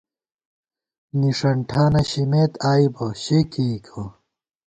نِݭن ٹھانہ شِمېت آئی بہ شےکېئیکہ